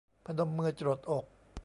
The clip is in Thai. พนมมือจรดอก